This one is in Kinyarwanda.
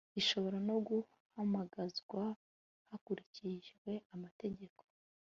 ishobora no guhamagazwa hakurikijwe amategeko